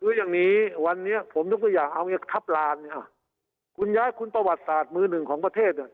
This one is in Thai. คืออย่างนี้วันนี้ผมยกตัวอย่างเอาทัพลานเนี่ยคุณย้ายคุณประวัติศาสตร์มือหนึ่งของประเทศเนี่ย